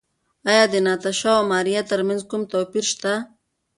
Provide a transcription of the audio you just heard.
ایا د ناتاشا او ماریا ترمنځ کوم توپیر شته؟